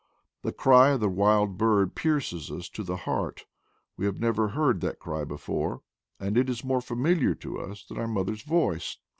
The cry of the wild bird pierces us to the heart; we have never heard that cry before, and it is more familiar to us than our mother's voice.